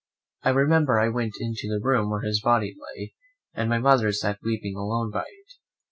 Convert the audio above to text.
I remember I went into the room where his body lay, and my mother sat weeping alone by it.